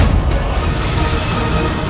aku akan menangkanmu